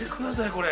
これ。